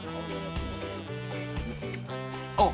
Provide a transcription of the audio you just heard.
あっ！